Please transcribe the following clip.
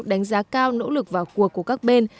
đánh giá cao nỗ lực vào cuộc của các bên